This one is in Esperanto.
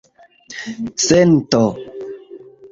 sento